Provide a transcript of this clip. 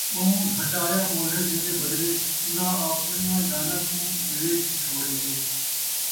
ٻَہوں گھٹایا مُل ہے جِیندے بدلے اُنہاں آپڑیاں جاناں نفساں کُوں ویچ چھوڑئیے